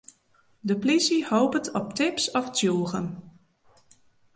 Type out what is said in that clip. De polysje hopet op tips of tsjûgen.